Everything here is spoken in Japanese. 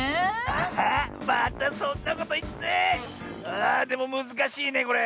ああでもむずかしいねこれ。